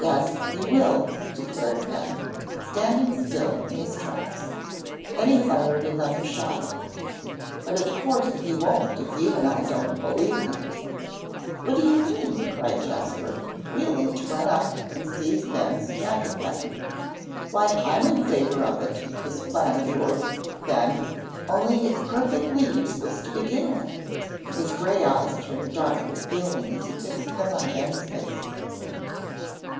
"Yes, he will," declared Ben, standing still in his tracks. Then he fired another shot. "But of course he won't if you and I don't believe in it." "What do you mean?" cried Jasper, wheeling to run up and seize Ben's jacket button. "Why, I'm in favor of it, this plan of yours, Ben, only it's perfectly useless to begin with;" his gray eyes turned dark with feeling as he fixed them on Ben's face.